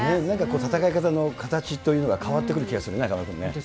なんか戦い方の形というのが変わってくる気がするね、中丸君ね。